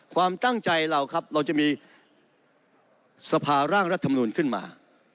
ความตั้งใจเราครับเราจะมีสภาร่างรัฐมนูลขึ้นมา